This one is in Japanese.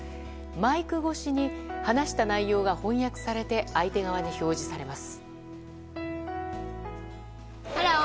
マイク越しに話した内容が翻訳されて相手側に表示されます。